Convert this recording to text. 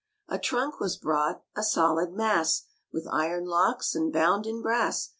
A trunk was brought, a solid mass, With iron locks and bound in brass.